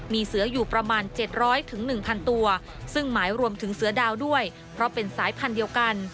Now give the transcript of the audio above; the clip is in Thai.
มีเสืออยู่ประมาณเจ็ดร้อยถึงหนึ่งพันตัวซึ่งหมายรวมถึงเสือดาวด้วยเพราะเป็นสายพันธุ์เดียวกัน